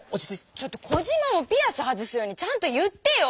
ちょっとコジマもピアス外すようにちゃんと言ってよ！